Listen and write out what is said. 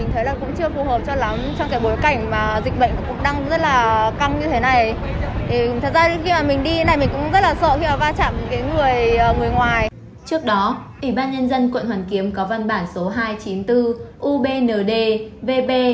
trước đó ủy ban nhân dân quận hoàn kiếm có văn bản số hai trăm chín mươi bốn ubnd vb